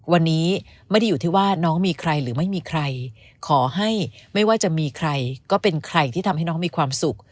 วันนี้ไม่ได้อยู่ที่ว่าน้องมีใครหรือไม่มีใครขอให้ไม่ว่าจะมีใครก็เป็นใครที่ทำให้น้องมีความสุข